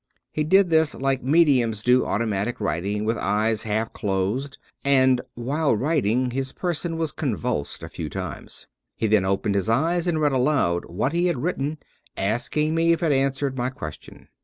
He did this like mediums do automatic writing, with eyes half closed ; and while writing his person was convulsed a few times. He then opened his eyes and read aloud what he had written, asking me if it answered my question.